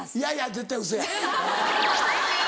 絶対ウソや。